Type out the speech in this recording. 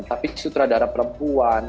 tapi sutradara perempuan